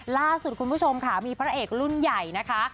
ล่าสุดคุณผู้ชมค่ะมีพระเอกรุ่นใหญ่นะคะ